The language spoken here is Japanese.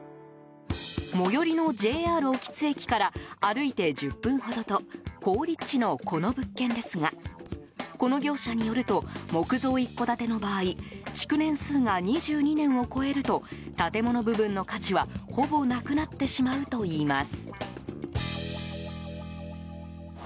最寄りのＪＲ興津駅から歩いて１０分ほどと好立地のこの物件ですがこの業者によると木造一戸建ての場合築年数が２２年を超えると建物部分の価値はほぼなくなってしまうといいます。